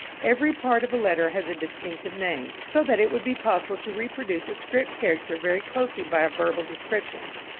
Every part of a letter has a distinctive name, so that it would be possible to reproduce a script character very closely by a verbal description.